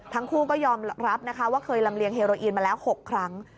ทั้งคู่ก็ยอมรับนะคะว่าเคยลำเลียโรอีนมาแล้ว๖ครั้ง